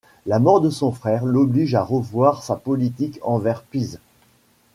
La mort de son frère l'oblige à revoir sa politique envers Pise.